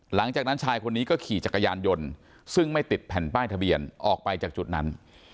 หลังจากนั้นชายคนนี้ก็ขี่จักรยานยนต์ซึ่งไม่ติดแผ่นป้ายทะเบียนออกไปจากจุดนั้น